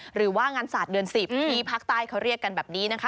หรือว่างานศาสตร์เดือน๑๐ที่ภาคใต้เขาเรียกกันแบบนี้นะคะ